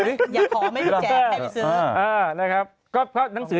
อยากขอไม่ได้แจกให้พี่ซื้อ